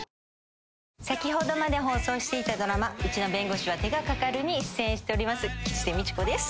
先ほどまで放送していたドラマ『うちの弁護士は手がかかる』に出演しております吉瀬美智子です。